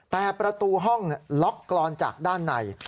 แต่ประตูห้องล็อกกรอนจากด้านใน